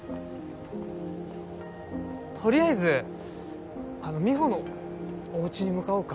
取りあえず美帆のおうちに向かおうか。